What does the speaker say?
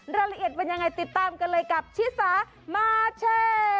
รายละเอียดเป็นยังไงติดตามกันเลยกับชิสามาเช่